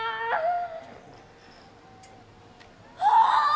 ああ！？